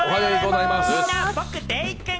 みんな、僕、デイくん！